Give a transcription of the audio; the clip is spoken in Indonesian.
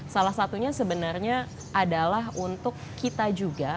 salah satunya sebenarnya adalah untuk kita juga